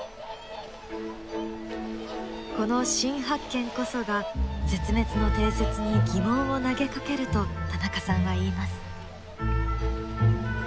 この新発見こそが絶滅の定説に疑問を投げかけると田中さんは言います。